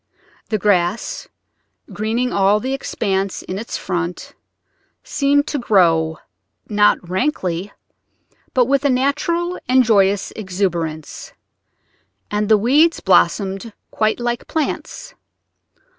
The grass greening all the expanse in its front seemed to grow, not rankly, but with a natural and joyous exuberance, and the weeds blossomed quite like plants.